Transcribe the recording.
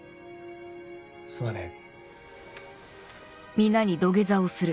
すまねえ。